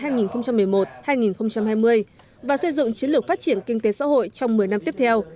giai đoạn hai nghìn một mươi một hai nghìn hai mươi và xây dựng chiến lược phát triển kinh tế xã hội trong một mươi năm tiếp theo